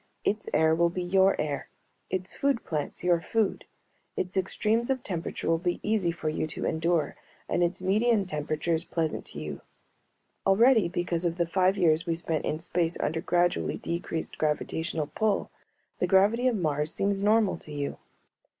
Its air will be your air; its food plants your food. Its extremes of temperature will be easy for you to endure and its median temperatures pleasant to you. Already, because of the five years we spent in space under gradually decreased gravitational pull, the gravity of Mars seems normal to you.